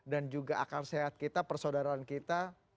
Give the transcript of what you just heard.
dan juga akan sehat kita persaudaraan kita